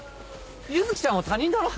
結月ちゃんは他人だろ？